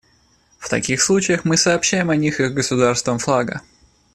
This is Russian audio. В таких случаях мы сообщаем о них их государствам флага.